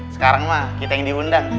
sekarang mah kita yang diundang